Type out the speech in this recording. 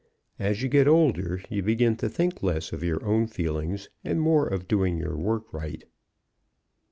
As you get older, you begin to think less of your own feelings, and more of doing your work right.